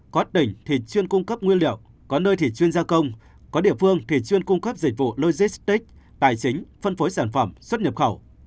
có tỉnh thì chuyên cung cấp nguyên liệu có nơi thì chuyên gia công có địa phương thì chuyên cung cấp dịch vụ logistics tài chính phân phối sản phẩm xuất nhập khẩu